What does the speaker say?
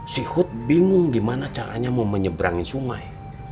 si hood bingung gimana caranya mau menyeberangi sungai